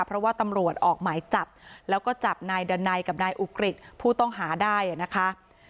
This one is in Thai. เพราะว่าตำรวจออกหมายจับแล้วก็จับนายดันไนกับนายอุกฤษผู้ต้องหาได้นะคะ